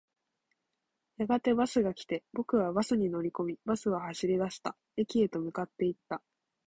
やがてバスが来て、僕はバスに乗り込み、バスは走り出した。駅へと向かっていった。